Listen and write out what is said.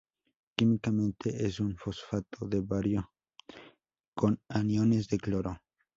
Químicamente es un fosfato de bario con aniones de cloro.